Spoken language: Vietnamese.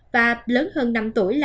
và lớn hơn năm tuổi